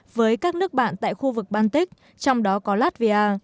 với các nước bạn tại khu vực baltic trong đó có latvia